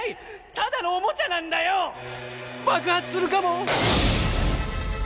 ただのおもちゃなんだよ。爆発するかも。